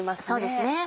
そうですね。